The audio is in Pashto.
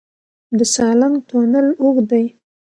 د سالنګ تونل اوږد دی